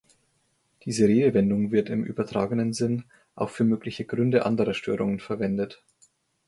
Diese Redewendung wird im übertragenen Sinn auch für mögliche Gründe anderer Störungen verwendet.